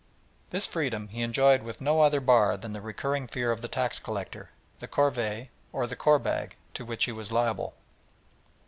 This freedom he enjoyed with no other bar than the recurring fear of the tax collector, the Corvée, or the Korbag, to which he was liable.